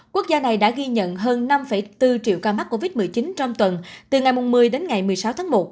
quốc gia này đã ghi nhận hơn năm bốn triệu ca mắc covid một mươi chín trong tuần từ ngày một mươi đến ngày một mươi sáu tháng một